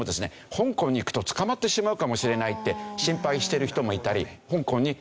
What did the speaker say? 香港に行くと捕まってしまうかもしれないって心配している人もいたり。